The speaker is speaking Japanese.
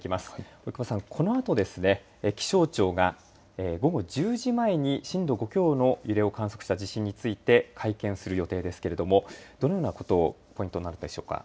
老久保さん、このあとですね気象庁が午後１０時前に震度５強の揺れを観測した地震について会見する予定ですけれどもどのようなことをポイントになるでしょうか。